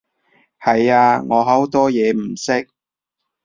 係啊，我好多嘢唔識